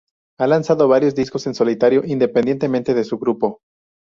Ha lanzado varios discos en solitario independientemente de su grupo.